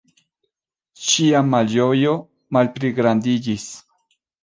Ŝia malĝojo malpligrandiĝis.